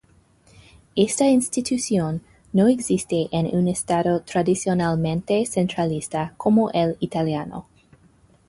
Esta institución no existe en un estado tradicionalmente centralista como el italiano.